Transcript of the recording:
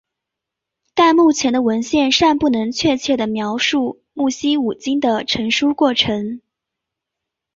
但目前的文献尚不能确切地描述摩西五经的成书过程。